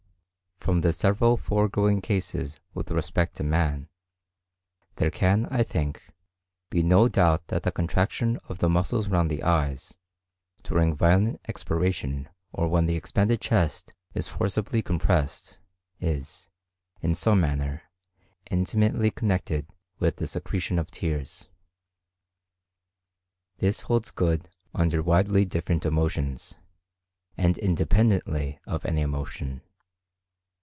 From the several foregoing cases with respect to Man, there can, I think, be no doubt that the contraction of the muscles round the eyes, during violent expiration or when the expanded chest is forcibly compressed, is, in some manner, intimately connected with the secretion of tears. This holds good under widely different emotions, and independently of any emotion.